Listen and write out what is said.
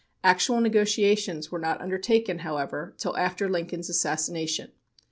Actual negotiations were not undertaken, however, till after Lincoln's assassination.